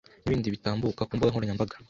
n’ibindi bitambuka ku mbuga nkoranyambaga